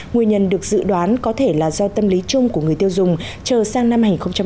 nguyên nhân được dự đoán có thể là do tâm lý chung của người tiêu dùng chờ sang năm hai nghìn hai mươi